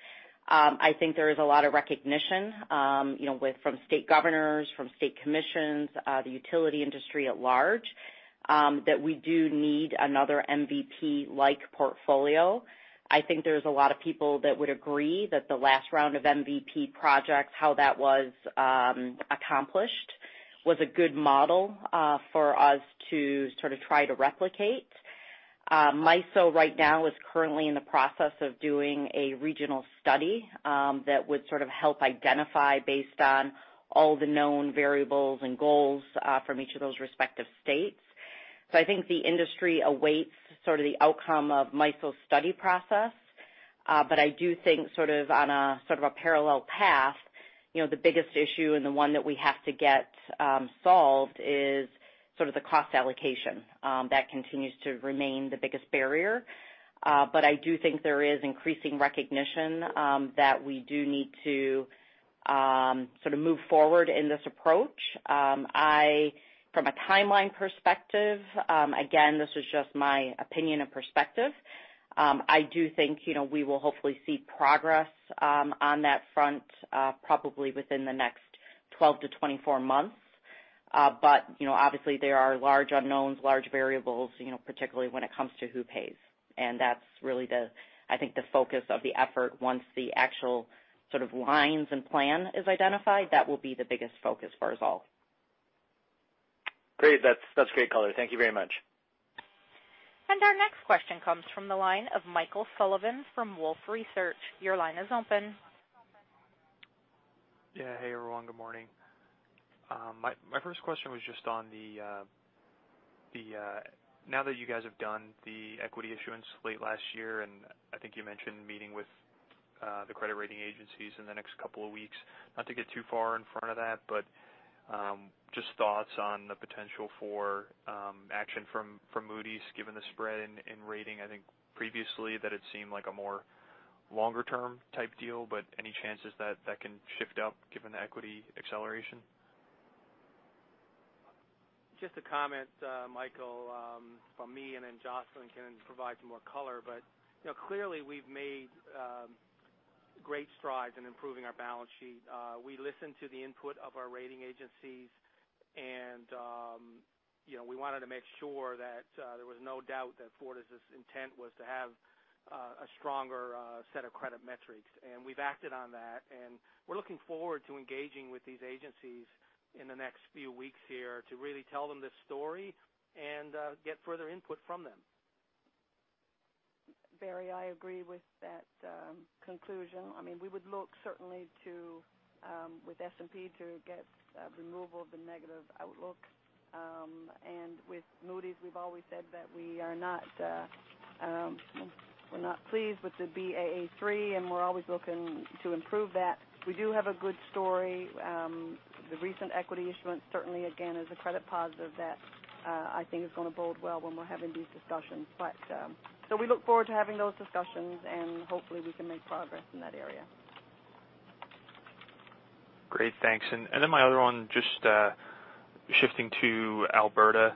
I think there is a lot of recognition from state governors, from state commissions, the utility industry at large, that we do need another MVP-like portfolio. I think there's a lot of people that would agree that the last round of MVP projects, how that was accomplished, was a good model for us to try to replicate. MISO right now is currently in the process of doing a regional study that would help identify based on all the known variables and goals from each of those respective states. I think the industry awaits the outcome of MISO's study process. I do think on a parallel path, the biggest issue and the one that we have to get solved is the cost allocation. That continues to remain the biggest barrier. I do think there is increasing recognition that we do need to move forward in this approach. From a timeline perspective, again, this is just my opinion and perspective, I do think we will hopefully see progress on that front probably within the next 12-24 months. Obviously there are large unknowns, large variables, particularly when it comes to who pays. That's really, I think, the focus of the effort once the actual lines and plan is identified, that will be the biggest focus for us all. Great. That's great color. Thank you very much. Our next question comes from the line of Michael Sullivan from Wolfe Research. Your line is open. Yeah. Hey, everyone. Good morning. My first question was just on now that you guys have done the equity issuance late last year, and I think you mentioned meeting with the credit rating agencies in the next couple of weeks, not to get too far in front of that, just thoughts on the potential for action from Moody's, given the spread in rating. I think previously that it seemed like a more longer-term type deal, any chances that that can shift up given the equity acceleration? Just a comment, Michael, from me, and then Jocelyn can provide some more color. Clearly we've made great strides in improving our balance sheet. We listened to the input of our rating agencies, and we wanted to make sure that there was no doubt that Fortis' intent was to have a stronger set of credit metrics. We've acted on that, and we're looking forward to engaging with these agencies in the next few weeks here to really tell them this story and get further input from them. Barry, I agree with that conclusion. We would look certainly with S&P to get removal of the negative outlook. With Moody's, we've always said that we're not pleased with the Baa3, and we're always looking to improve that. We do have a good story. The recent equity issuance, certainly, again, is a credit positive that I think is going to bode well when we're having these discussions. We look forward to having those discussions, and hopefully we can make progress in that area. Great. Thanks. My other one, just shifting to Alberta.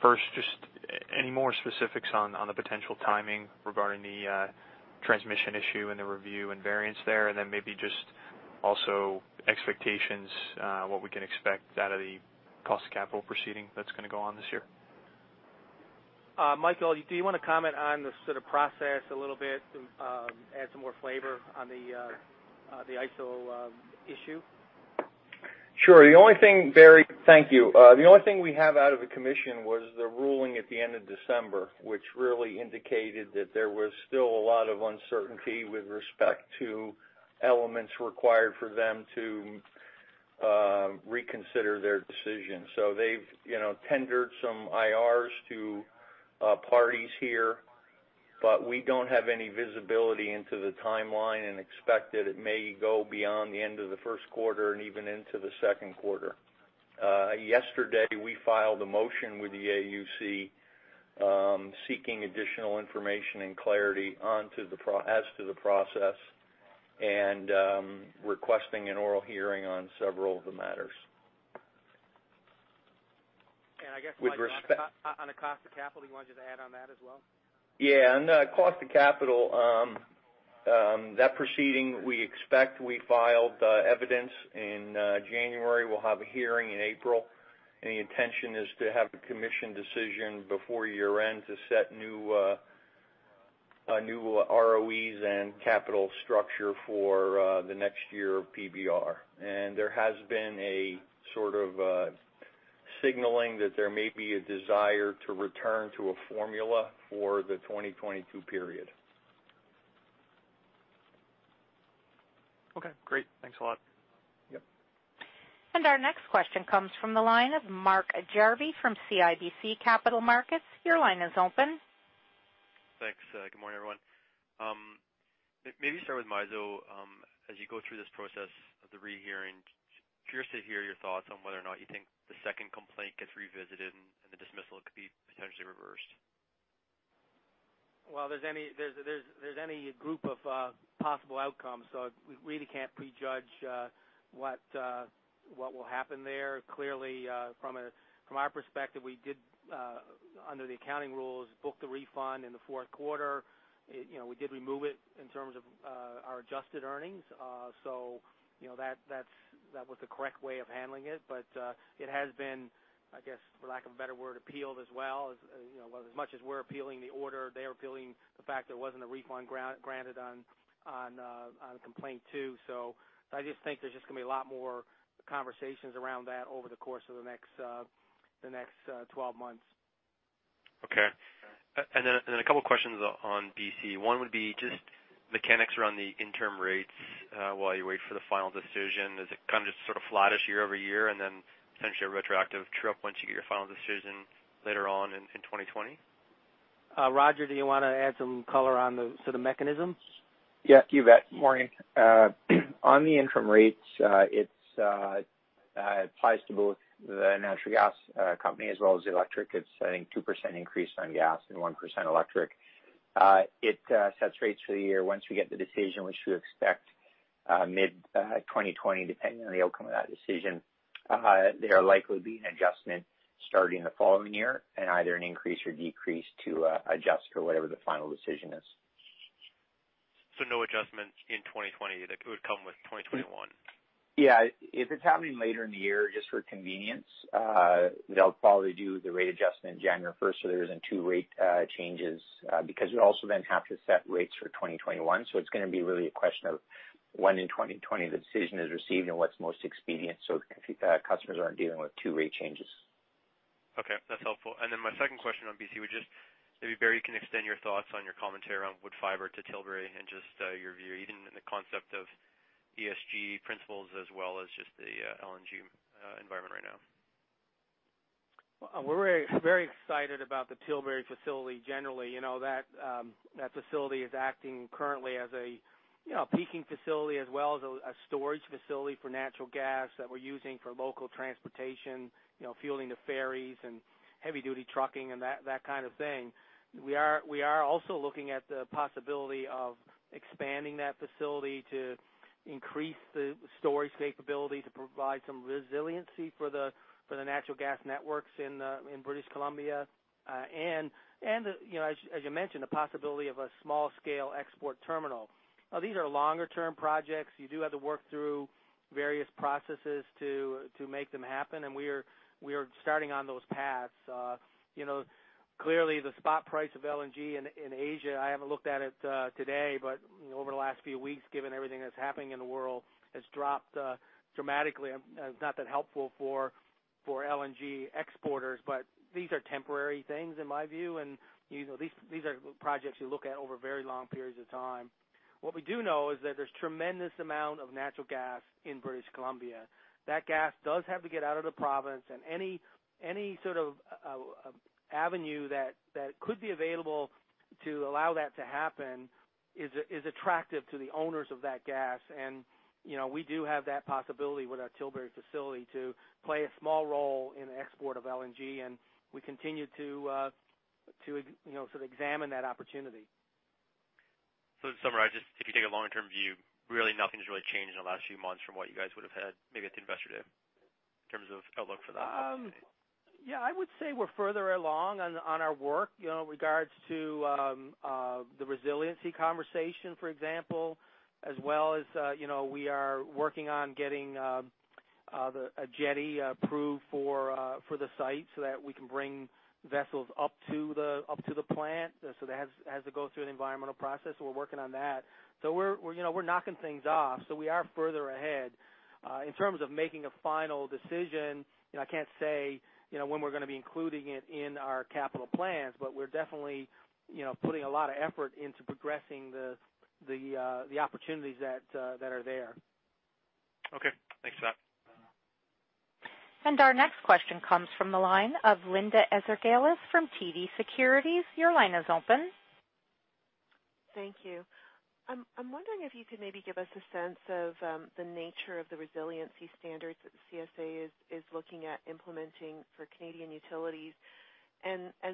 First, just any more specifics on the potential timing regarding the transmission issue and the review and variance there? Maybe just also expectations, what we can expect out of the cost of capital proceeding that's going to go on this year. Michael, do you want to comment on the process a little bit to add some more flavor on the AESO issue? Sure. Barry, thank you. The only thing we have out of the commission was the ruling at the end of December, which really indicated that there was still a lot of uncertainty with respect to elements required for them to reconsider their decision. They've tendered some IRs to parties here, but we don't have any visibility into the timeline and expect that it may go beyond the end of the first quarter and even into the second quarter. Yesterday, we filed a motion with the AUC, seeking additional information and clarity as to the process and requesting an oral hearing on several of the matters. And I guess <crosstalk> on the cost of capital, you wanted to add on that as well? Yeah. On the cost of capital, that proceeding, we filed evidence in January. We'll have a hearing in April. The intention is to have the commission decision before year-end to set new ROEs and capital structure for the next year of PBR. There has been a sort of a signaling that there may be a desire to return to a formula for the 2022 period. Okay, great. Thanks a lot. Yep. Our next question comes from the line of Mark Jarvi from CIBC Capital Markets. Your line is open. Thanks. Good morning, everyone. Maybe start with MISO. As you go through this process of the rehearing, curious to hear your thoughts on whether or not you think the second complaint gets revisited and the dismissal could be potentially reversed. There's any group of possible outcomes. We really can't prejudge what will happen there. Clearly, from our perspective, we did, under the accounting rules, book the refund in the fourth quarter. We did remove it in terms of our adjusted earnings. That was the correct way of handling it. It has been, I guess, for lack of a better word, appealed as well. As much as we're appealing the order, they're appealing the fact there wasn't a refund granted on complaint two. I just think there's just going to be a lot more conversations around that over the course of the next 12 months. Okay. A couple of questions on B.C. One would be just mechanics around the interim rates, while you wait for the final decision. Is it kind of just sort of flattish year-over-year, and then essentially a retroactive true-up once you get your final decision later on in 2020? Roger, do you want to add some color on the sort of mechanisms? Yeah, you bet. Morning. On the interim rates, it applies to both the natural gas company as well as the electric. It's saying 2% increase on gas and 1% electric. It sets rates for the year. Once we get the decision, which we expect mid-2020, depending on the outcome of that decision, there will likely be an adjustment starting the following year, and either an increase or decrease to adjust for whatever the final decision is. No adjustments in 2020. That would come with 2021? Yeah. If it's happening later in the year, just for convenience, they'll probably do the rate adjustment January 1st so there isn't two rate changes. We also then have to set rates for 2021. It's going to be really a question of when in 2020 the decision is received and what's most expedient so customers aren't dealing with two rate changes. Okay, that's helpful. My second question on BC would just, maybe, Barry, you can extend your thoughts on your commentary on Woodfibre to Tilbury and just your view, even in the concept of ESG principles as well as just the LNG environment right now. We're very excited about the Tilbury facility generally. That facility is acting currently as a peaking facility as well as a storage facility for natural gas that we're using for local transportation, fueling the ferries and heavy-duty trucking and that kind of thing. We are also looking at the possibility of expanding that facility to increase the storage capability to provide some resiliency for the natural gas networks in British Columbia. As you mentioned, the possibility of a small-scale export terminal. These are longer-term projects. You do have to work through various processes to make them happen, and we are starting on those paths. Clearly, the spot price of LNG in Asia, I haven't looked at it today, but over the last few weeks, given everything that's happening in the world, has dropped dramatically and is not that helpful for LNG exporters. These are temporary things in my view, and these are projects you look at over very long periods of time. What we do know is that there's tremendous amount of natural gas in British Columbia. That gas does have to get out of the province, any sort of avenue that could be available to allow that to happen is attractive to the owners of that gas. We do have that possibility with our Tilbury facility to play a small role in the export of LNG, and we continue to sort of examine that opportunity. To summarize, if you take a longer-term view, nothing's really changed in the last few months from what you guys would have had maybe at the investor day in terms of outlook for that. Yeah. I would say we're further along on our work, in regards to the resiliency conversation, for example, as well as we are working on getting a jetty approved for the site so that we can bring vessels up to the plant. That has to go through an environmental process. We're working on that. We're knocking things off. We are further ahead. In terms of making a final decision, I can't say when we're going to be including it in our capital plans, but we're definitely putting a lot of effort into progressing the opportunities that are there. Okay, thanks for that. Our next question comes from the line of Linda Ezergailis from TD Securities. Your line is open. Thank you. I'm wondering if you could maybe give us a sense of the nature of the resiliency standards that the CSA is looking at implementing for Canadian utilities,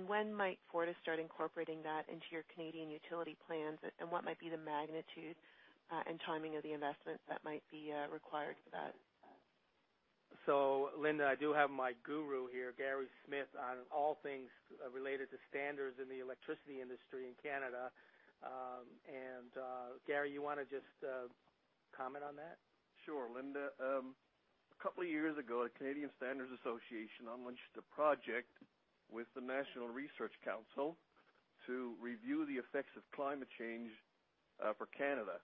when might Fortis start incorporating that into your Canadian utility plans? What might be the magnitude and timing of the investments that might be required for that? Linda, I do have my guru here, Gary Smith, on all things related to standards in the electricity industry in Canada. Gary, you want to just comment on that? Sure, Linda. A couple of years ago, the Canadian Standards Association launched a project with the National Research Council to review the effects of climate change for Canada.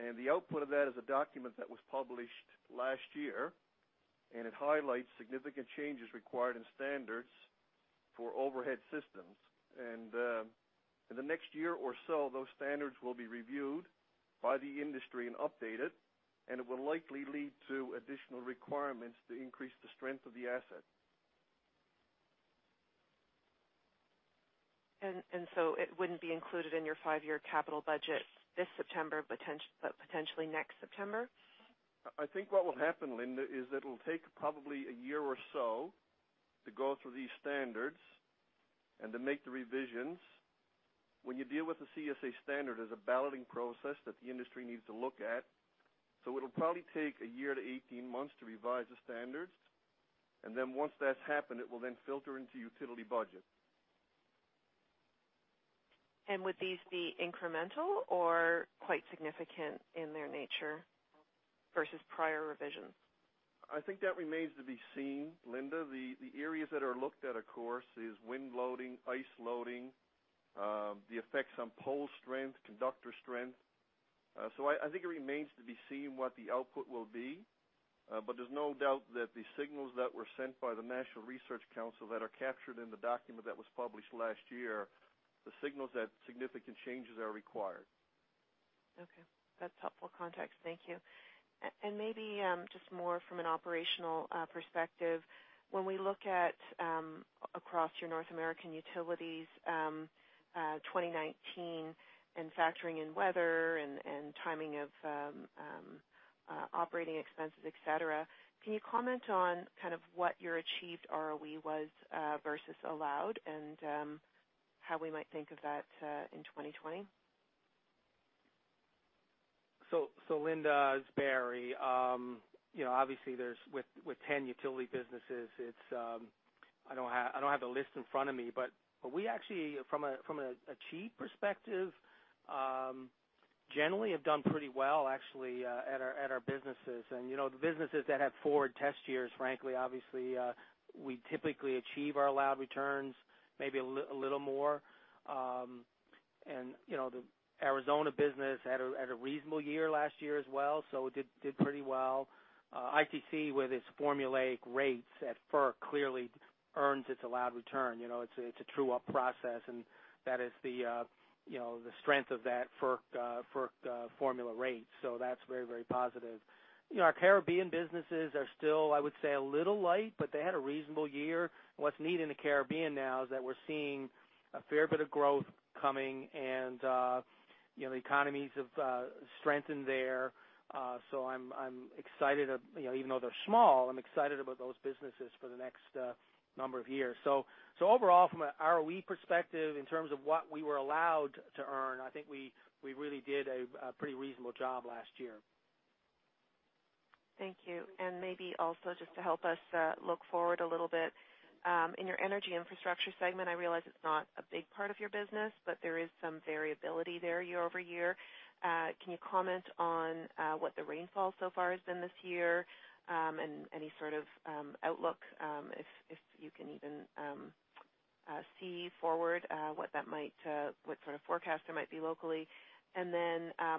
The output of that is a document that was published last year, and it highlights significant changes required in standards for overhead systems. In the next year or so, those standards will be reviewed by the industry and updated, and it will likely lead to additional requirements to increase the strength of the asset. It wouldn't be included in your five-year capital budget this September, but potentially next September? I think what will happen, Linda, is that it'll take probably a year or so to go through these standards and to make the revisions. When you deal with the CSA standard, there's a balloting process that the industry needs to look at. It'll probably take a year to 18 months to revise the standards. Once that's happened, it will then filter into utility budget. Would these be incremental or quite significant in their nature versus prior revisions? I think that remains to be seen, Linda. The areas that are looked at, of course, is wind loading, ice loading, the effects on pole strength, conductor strength. I think it remains to be seen what the output will be. There's no doubt that the signals that were sent by the National Research Council that are captured in the document that was published last year, the signals that significant changes are required. Okay. That's helpful context. Thank you. Maybe just more from an operational perspective, when we look at across your North American utilities, 2019 and factoring in weather and timing of operating expenses, et cetera, can you comment on kind of what your achieved ROE was, versus allowed and how we might think of that in 2020? Linda, it's Barry. Obviously with 10 utility businesses, I don't have the list in front of me, but we actually, from an achieve perspective, generally have done pretty well actually, at our businesses. The businesses that have forward test years, frankly, obviously, we typically achieve our allowed returns, maybe a little more. The Arizona business had a reasonable year last year as well, so it did pretty well. ITC with its formulaic rates at FERC clearly earns its allowed return. It's a true-up process, and that is the strength of that FERC formula rate. That's very, very positive. Our Caribbean businesses are still, I would say, a little light, but they had a reasonable year. What's neat in the Caribbean now is that we're seeing a fair bit of growth coming and the economies have strengthened there. I'm excited, even though they're small, I'm excited about those businesses for the next number of years. Overall, from an ROE perspective, in terms of what we were allowed to earn, I think we really did a pretty reasonable job last year. Thank you. Maybe also just to help us look forward a little bit, in your energy infrastructure segment, I realize it's not a big part of your business, but there is some variability there year-over-year. Can you comment on what the rainfall so far has been this year? Any sort of outlook, if you can even see forward what sort of forecast there might be locally.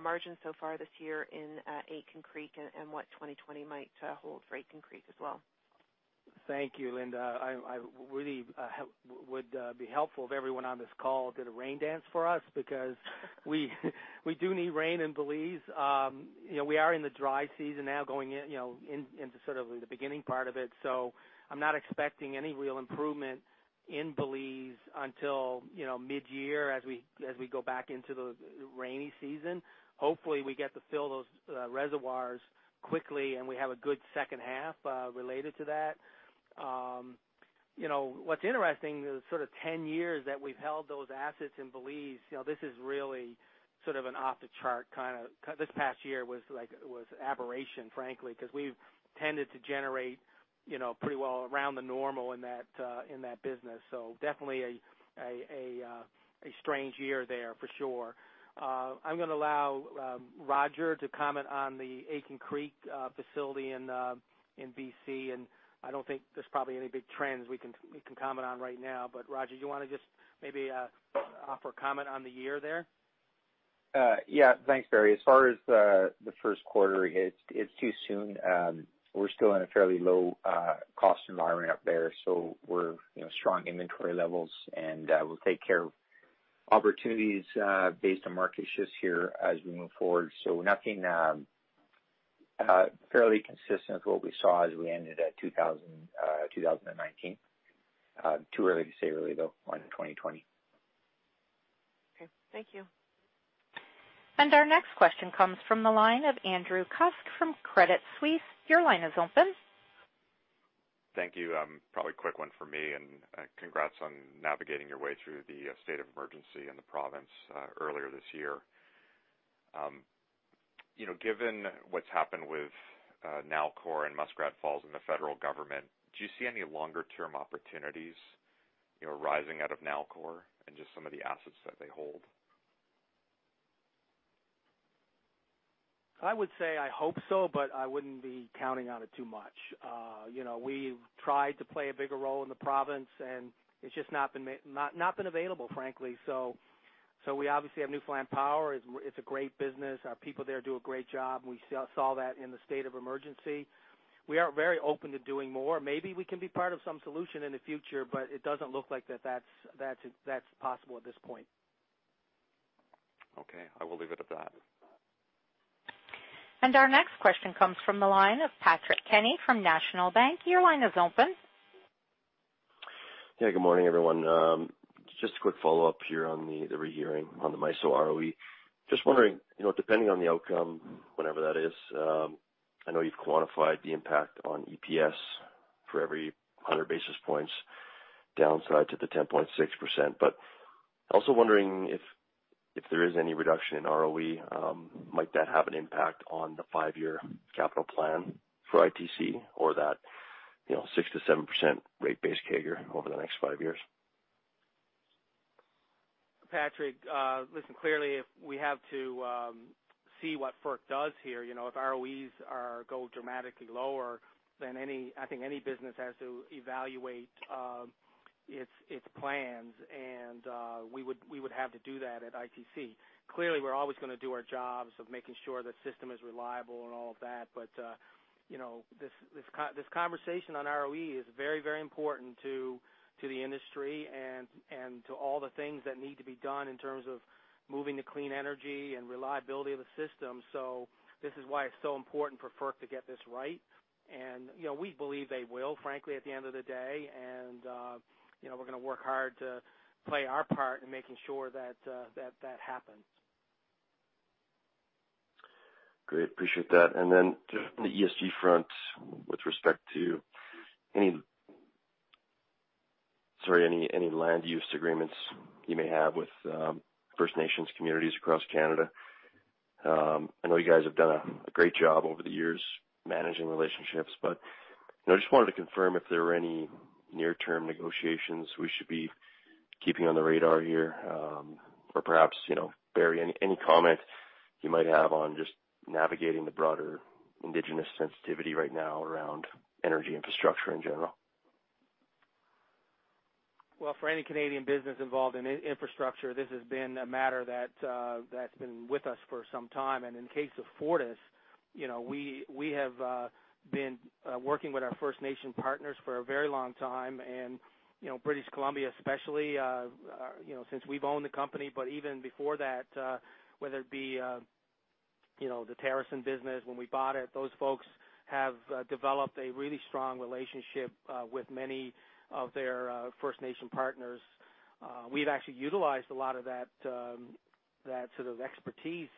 Margins so far this year in Aitken Creek and what 2020 might hold for Aitken Creek as well. Thank you, Linda. It really would be helpful if everyone on this call did a rain dance for us because we do need rain in Belize. We are in the dry season now, going into sort of the beginning part of it. I'm not expecting any real improvement in Belize until mid-year as we go back into the rainy season. Hopefully, we get to fill those reservoirs quickly, and we have a good second half related to that. What's interesting is sort of 10 years that we've held those assets in Belize, this is really sort of an off-the-chart this past year was like an aberration, frankly, because we've tended to generate pretty well around the normal in that business. Definitely a strange year there for sure. I'm going to allow Roger to comment on the Aitken Creek facility in BC, I don't think there's probably any big trends we can comment on right now. Roger, do you want to just maybe offer a comment on the year there? Yeah. Thanks, Barry. As far as the first quarter, it's too soon. We're still in a fairly low cost environment up there, so we're strong inventory levels, and we'll take care of opportunities based on market shifts here as we move forward, fairly consistent with what we saw as we ended at 2019. Too early to say really, though, on 2020. Okay. Thank you. Our next question comes from the line of Andrew Kuske from Credit Suisse. Your line is open. Thank you. Probably a quick one for me, congrats on navigating your way through the state of emergency in the province earlier this year. Given what's happened with Nalcor and Muskrat Falls and the federal government, do you see any longer-term opportunities arising out of Nalcor and just some of the assets that they hold? I would say I hope so, but I wouldn't be counting on it too much. We've tried to play a bigger role in the province, and it's just not been available, frankly. We obviously have Newfoundland Power. It's a great business. Our people there do a great job. We saw that in the state of emergency. We are very open to doing more. Maybe we can be part of some solution in the future, but it doesn't look like that's possible at this point. Okay, I will leave it at that. Our next question comes from the line of Patrick Kenny from National Bank. Your line is open. Yeah. Good morning, everyone. Just a quick follow-up here on the re-hearing on the MISO ROE. Just wondering, depending on the outcome, whenever that is, I know you've quantified the impact on EPS for every 100 basis points downside to the 10.6%, but also wondering if there is any reduction in ROE, might that have an impact on the five-year capital plan for ITC or that 6%-7% rate base CAGR over the next five years? Patrick, listen, clearly, we have to see what FERC does here. If ROEs go dramatically lower, then I think any business has to evaluate its plans, and we would have to do that at ITC. Clearly, we're always going to do our jobs of making sure the system is reliable and all of that. This conversation on ROE is very important to the industry and to all the things that need to be done in terms of moving to clean energy and reliability of the system. This is why it's so important for FERC to get this right. We believe they will, frankly, at the end of the day. We're going to work hard to play our part in making sure that happens. Great. Appreciate that. Just on the ESG front, with respect to any land use agreements you may have with First Nations communities across Canada. I know you guys have done a great job over the years managing relationships, but I just wanted to confirm if there were any near-term negotiations we should be keeping on the radar here. Perhaps, Barry, any comment you might have on just navigating the broader indigenous sensitivity right now around energy infrastructure in general? Well, for any Canadian business involved in infrastructure, this has been a matter that's been with us for some time. In case of Fortis, we have been working with our First Nation partners for a very long time, and British Columbia, especially, since we've owned the company. Even before that, whether it be the Terasen business, when we bought it, those folks have developed a really strong relationship with many of their First Nation partners. We've actually utilized a lot of that sort of expertise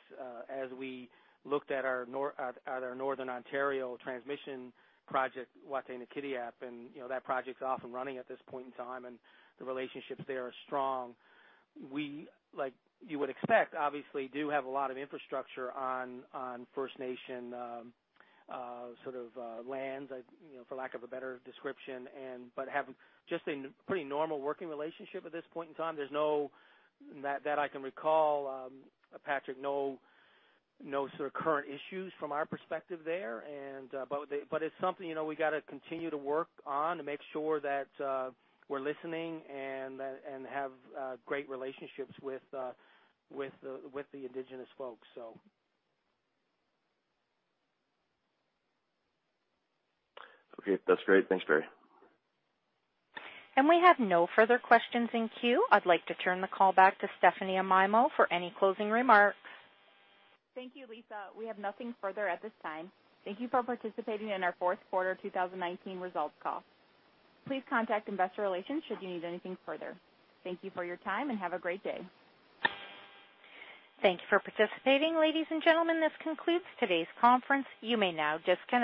as we looked at our Northern Ontario transmission project, Wataynikaneyap, and that project's off and running at this point in time, and the relationships there are strong. We, like you would expect, obviously, do have a lot of infrastructure on First Nation sort of lands, for lack of a better description, but have just a pretty normal working relationship at this point in time. There's no, that I can recall, Patrick, no sort of current issues from our perspective there. It's something we got to continue to work on to make sure that we're listening and have great relationships with the indigenous folks. Okay. That's great. Thanks, Barry. We have no further questions in queue. I'd like to turn the call back to Stephanie Amaimo for any closing remarks. Thank you, Lisa. We have nothing further at this time. Thank you for participating in our fourth quarter 2019 results call. Please contact investor relations should you need anything further. Thank you for your time, and have a great day. Thank you for participating. Ladies and gentlemen, this concludes today's conference. You may now disconnect.